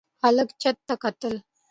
هلک چت ته کتل.